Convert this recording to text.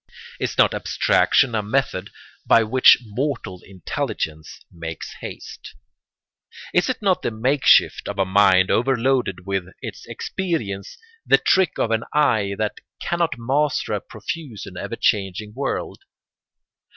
Is not abstraction a method by which mortal intelligence makes haste? Is it not the makeshift of a mind overloaded with its experience, the trick of an eye that cannot master a profuse and ever changing world?